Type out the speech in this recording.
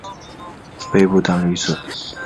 背部淡灰色。